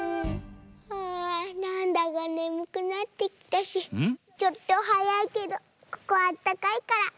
あなんだかねむくなってきたしちょっとはやいけどここあったかいからとうみんするね。